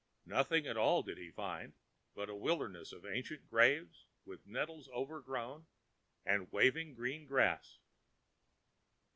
Nothing at all did he find, but a wilderness of ancient graves, with nettles overgrown and the waving green grass.